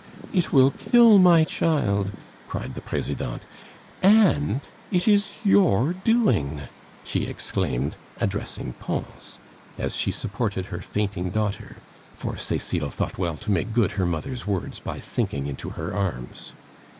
"It will kill my child!" cried the Presidente, "and it is your doing!" she exclaimed, addressing Pons, as she supported her fainting daughter, for Cecile thought well to make good her mother's words by sinking into her arms.